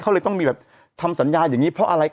เขาเลยต้องมีแบบทำสัญญาอย่างนี้เพราะอะไร